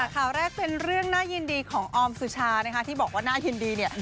ข่าวแรกเป็นเรื่องน่ายินดีของออมสุชานะคะที่บอกว่าน่ายินดีเนี่ย